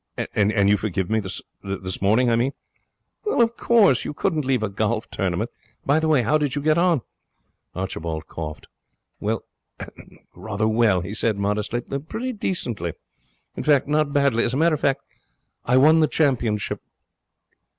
'And you forgive me this morning, I mean?' 'Of course. You couldn't leave a golf tournament. By the way, how did you get on?' Archibald coughed. 'Rather well,' he said modestly. 'Pretty decently. In fact, not badly. As a matter of fact, I won the championship.'